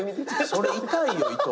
それ痛いよ伊藤。